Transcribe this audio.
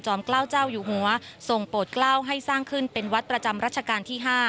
เกล้าเจ้าอยู่หัวทรงโปรดกล้าวให้สร้างขึ้นเป็นวัดประจำรัชกาลที่๕